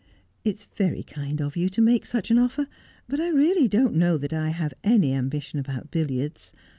' It's very kind of you to make such an offer, but I really don't know that I have any ambition about billiards.